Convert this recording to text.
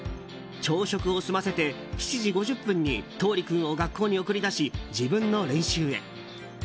朝食を済ませて、７時５０分に橙利君を学校に送り出し自分の練習へ。